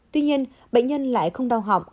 tuy nhiên bệnh nhân lại không đau họng